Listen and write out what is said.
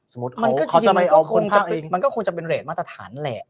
สมมุติเขาจะไม่เอาคุณภาพเองมันก็คงจะเป็นเรทมาตรฐานแหละ